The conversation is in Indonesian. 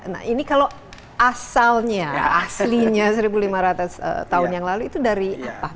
nah ini kalau asalnya aslinya seribu lima ratus tahun yang lalu itu dari apa